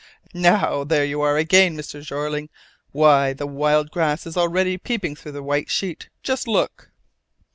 "Now, there you are again, Mr. Jeorling! Why, the wild grass is already peeping through the white sheet! Just look!"